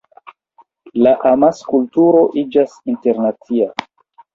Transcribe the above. La amaskulturo iĝas internacia.